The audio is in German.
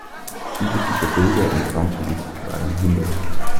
Viele dieser Bilder entstanden unter freiem Himmel.